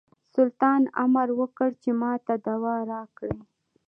سلطان امر وکړ چې ماته دوا راکړي.